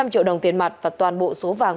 năm trăm linh triệu đồng tiền mặt và toàn bộ số vàng